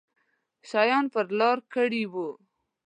شیان پر لار کړي وو.